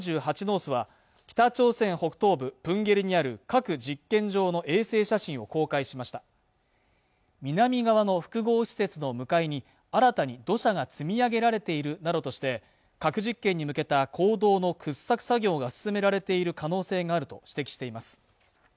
ノースは北朝鮮北東部プンゲリにある核実験場の衛星写真を公開しました南側の複合施設の向かいに新たに土砂が積み上げられているなどとして核実験に向けた坑道の掘削作業が進められている可能性があると指摘しています